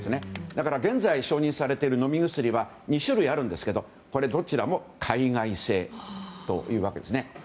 だから、現在承認されている飲み薬、２種類あるんですがどちらも海外製というわけですね。